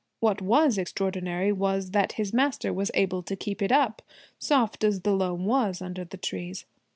What was extraordinary was that his master was able to keep it up, soft as the loam was under the trees.